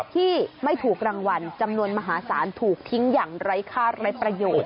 ที่ไม่ถูกรางวัลจำนวนมหาศาลถูกทิ้งอย่างไร้ค่าไร้ประโยชน์